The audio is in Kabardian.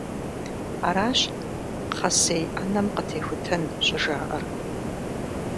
Аращ «кхъэсей Ӏэнэм къытехутэн» щӀыжаӀэр.